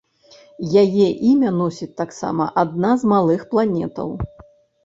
Яе імя носіць таксама адна з малых планетаў.